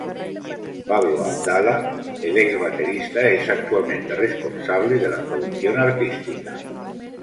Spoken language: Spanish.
Pablo Abdala, el ex baterista, es actualmente responsable de la producción artística.